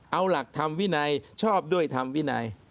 เอาหลักธรรมวินัยชอบด้วยธรรมวินัย